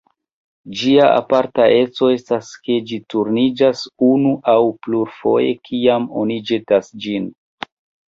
Ĝia aparta eco estas ke ĝi turniĝas unu aŭ plurfoje kiam oni ĵetas ĝin.